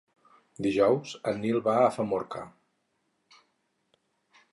Dijous en Nil va a Famorca.